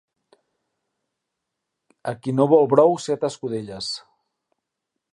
A qui no vol brou, set escudelles.